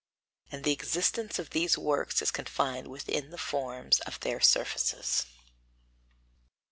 And the existence of these works is confined within the forms of their surfaces.